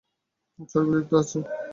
চর্বিযুক্ত আছে?